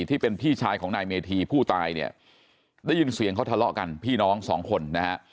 ที่เป็นพี่ชายของนายเมธีผู้ตายเนี่ยได้ยินเสียงเขาทะเลาะกันพี่น้องสองคนนะฮะ